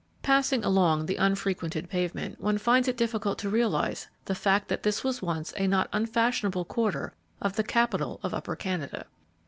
Passing along the unfrequented pavement, one finds it difficult to realize the fact that this was once a not unfashionable quarter of the capital of Upper Canada.